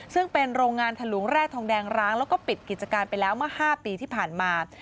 ซึ่งเป็นโรงงานถลุงแร่ทองแดงร้างแล้วก็ปิดกิจการไปแล้วเมื่อ๕ปีที่ผ่านมา